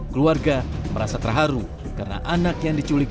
keluarga merasa terharu karena anak yang diculik